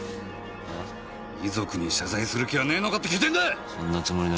遺族に謝罪する気はねぇのかって訊いてんだ！